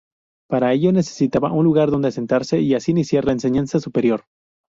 Para ello necesitaban un lugar donde asentarse y así iniciar la enseñanza superior.